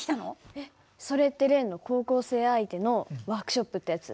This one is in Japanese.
えっそれって例の高校生相手のワークショップってやつ？